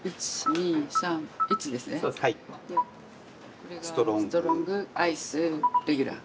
これがストロングアイスレギュラー。